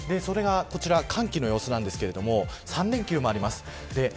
こちらは寒気の様子ですが３連休もあります。